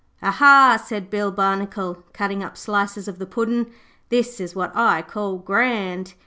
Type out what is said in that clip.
'Aha,' said Bill Barnacle, cutting up slices of the Puddin', 'this is what I call grand.